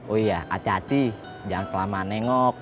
oh iya hati hati jangan kelamaan nengok